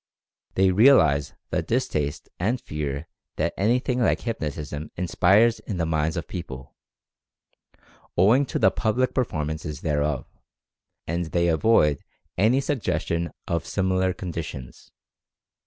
They realize the distaste and fear that anything like hypnotism inspires in the minds of people, owing to the public performances thereof, and they avoid any suggestion of similar conditions.